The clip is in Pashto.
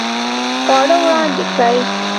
خواړه وړاندې کړئ